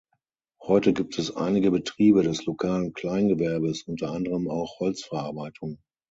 Heute gibt es einige Betriebe des lokalen Kleingewerbes, unter anderem auch Holzverarbeitung.